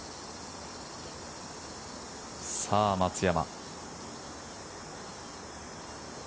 さあ、松山。